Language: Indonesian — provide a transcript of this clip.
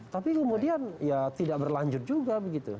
tapi kemudian ya tidak berlanjut juga begitu